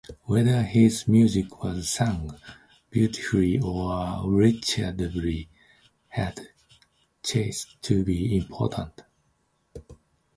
Whether his music was sung beautifully or wretchedly had ceased to be important.